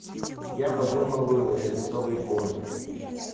Я подымаю рельсовый бунт.